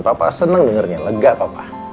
papa seneng dengernya lega papa